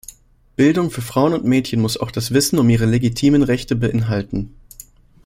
Bildung für Frauen und Mädchen muss auch das Wissen um ihre legitimen Rechte beinhalten.